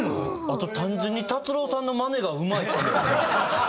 あと単純に達郎さんのマネがうまい。